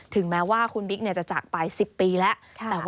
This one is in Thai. ถึงแม้ว่าคุณบิ๊กจะจากปลาย๑๐ปีแล้ว